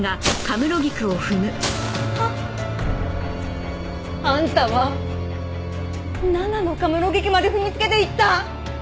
あっ！あんたは奈々の神室菊まで踏みつけていった！